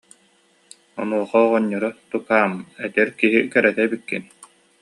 Онуоха оҕонньоро: «Тукаам, эдэр киһи кэрэтэ эбиккин